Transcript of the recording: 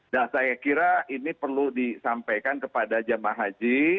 nah saya kira ini perlu disampaikan kepada jemaah haji